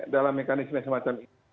dalam mekanisme semacam itu